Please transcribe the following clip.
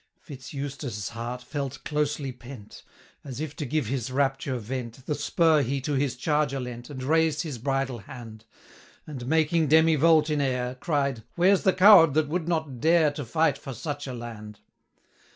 Fitz Eustace' heart felt closely pent; As if to give his rapture vent, The spur he to his charger lent, 630 And raised his bridle hand, And, making demi volte in air, Cried, 'Where's the coward that would not dare To fight for such a land!'